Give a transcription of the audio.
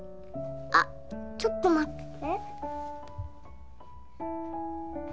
あっちょっと待ってて！